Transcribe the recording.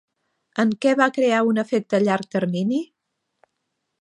En què va crear un efecte a llarg termini?